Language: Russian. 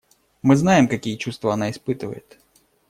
Мы знаем, какие чувства она испытывает.